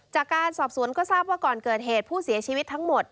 จากการสอบสวนก็ทราบว่าก่อนเกิดเหตุผู้เสียชีวิตทั้งหมด